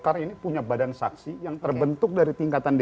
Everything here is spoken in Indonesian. sekarang golkar ini punya badan saksi yang terbentuk dari tingkatan dpd satu